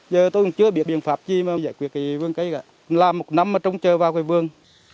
giờ tôi cũng chưa biết biện pháp gì mà giải quyết cái vườn cây cả làm một năm mà trông chờ vào cái vườn